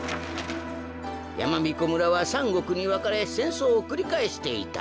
やまびこ村は３ごくにわかれせんそうをくりかえしていた。